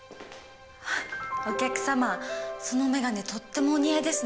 お客様そのメガネとってもお似合いですね。